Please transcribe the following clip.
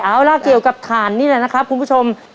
เอาล่ะเกี่ยวกับถ่านนี่แหละนะครับคุณผู้ชม